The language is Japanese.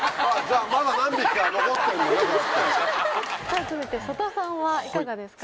さぁ続いて曽田さんはいかがですか？